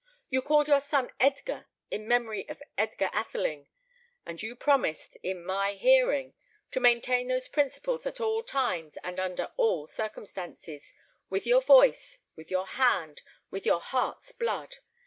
You called your son Edgar, in memory of Edgar Atheling, and you promised, in my hearing, to maintain those principles at all times and under all circumstances, with your voice, with your hand, with your heart's blood.